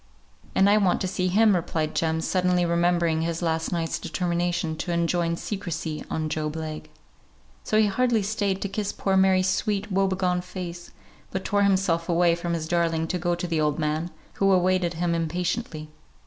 "And I want to see him," replied Jem, suddenly remembering his last night's determination to enjoin secrecy on Job Legh. So he hardly stayed to kiss poor Mary's sweet woe begone face, but tore himself away from his darling to go to the old man, who awaited him impatiently.